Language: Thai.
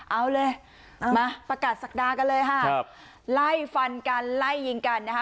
เอาเลยมาประกาศศักดากันเลยค่ะไล่ฟันกันไล่ยิงกันนะคะ